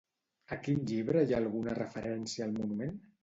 A quin llibre hi ha alguna referència al monument?